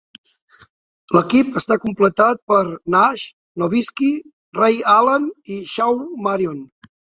L'equip està completat per: Nash, Nowitzki, Ray Allen i Shawn Marion.